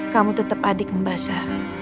kamu tetep adik mbak elsa